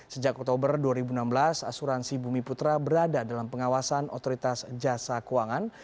sejak oktober dua ribu enam belas asuransi bumi putra berada dalam pengawasan otoritas jasa keuangan